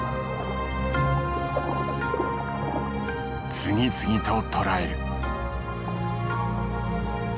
次々と捕らえる。